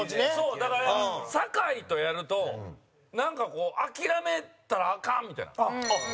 だから酒井とやると、なんか、こう諦めたらアカン！みたいな。